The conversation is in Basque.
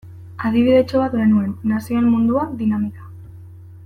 Adibidetxo bat genuen, Nazioen Mundua dinamika.